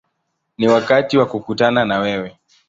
Ni wakati wa kukutana na wewe”.